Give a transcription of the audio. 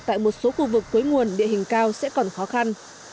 tăng sạch tại một số khu vực cuối nguồn địa hình cao sẽ còn khó khăn